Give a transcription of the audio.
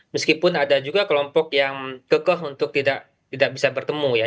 meskipun ada juga kelompok yang kekeh untuk tidak bisa bertemu ya